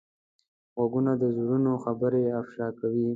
غوږونه د زړونو خبرې افشا کوي